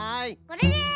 これです。